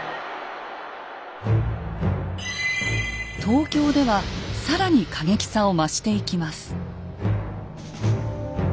東京では更に過激さを増していきます。